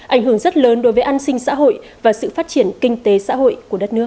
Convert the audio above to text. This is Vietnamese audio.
ảnh hưởng rất lớn đối với an sinh xã hội và sự phát triển kinh tế xã hội của đất nước